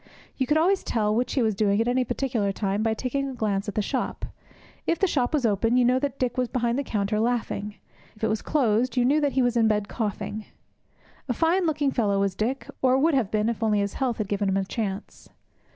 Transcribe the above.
You could always tell which he was doing at any particular time by taking a glance at the shop. If the shop was open, you knew that Dick was behind the counter laughing. If it was closed, you knew that he was in bed coughing. A fine looking fellow was Dick, or would have been if only his health had given him a chance.